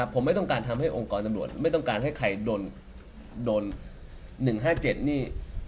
ผมไม่ต้องการทำให้องค์กรตำรวจไม่ต้องการให้ใครโดน๑๕๗นี่